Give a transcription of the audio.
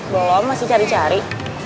belom masih cari cari